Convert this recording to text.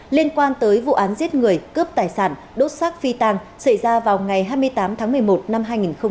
liên quan tới vụ án giết người cướp tài sản đốt xác phi tàng xảy ra vào ngày hai mươi tám tháng một mươi một năm hai nghìn một mươi ba